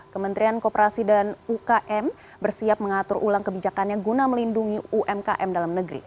kementerian kooperasi dan ukm bersiap mengatur ulang kebijakannya guna melindungi umkm dalam negeri